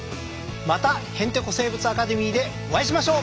また「へんてこ生物アカデミー」でお会いしましょう！